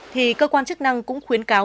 thì cơ quan chức năng cũng khuyến cáo